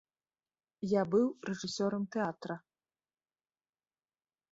Я быў рэжысёрам тэатра.